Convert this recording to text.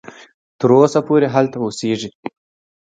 تر اوسه پوري هلته اوسیږي.